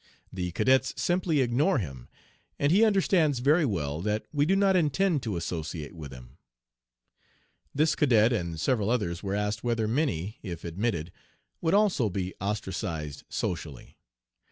The cadets simply ignore him, and he understands very well that we do not intend to associate with him.' This cadet and several others were asked whether Minnie, if admitted, would also be ostracized socially.